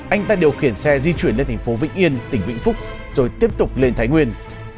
anh đã điều khiển xe di chuyển lên thành phố vĩnh yên tỉnh vĩnh phúc rồi tiếp tục lên thái nguyên